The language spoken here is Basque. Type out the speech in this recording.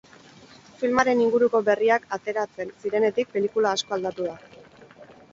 Filmaren inguruko berriak ateratzen zirenetik pelikula asko aldatu da.